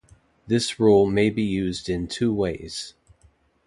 This rule may be used in two ways.